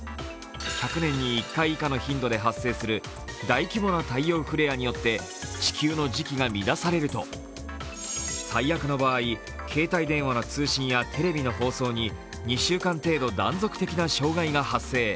１００年に１回以下の頻度で発生する大規模な太陽フレアによって地球の磁気が乱されると、最悪の場合、携帯電話の通信やテレビの放送に２週間程度断続的な障害が発生。